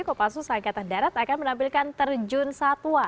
kopassus angkatan darat akan menampilkan terjun satwa